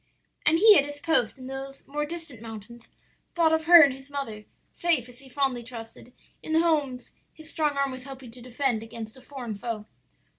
"And he at his post in those more distant mountains, thought of her and his mother; safe, as he fondly trusted, in the homes his strong arm was helping to defend against a foreign foe.